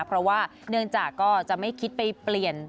เพราะว่าเนื่องจากก็จะไม่คิดไปเปลี่ยน